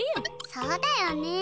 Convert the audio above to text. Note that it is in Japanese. そうだよねえ。